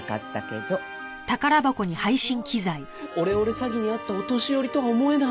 すごいオレオレ詐欺に遭ったお年寄りとは思えない。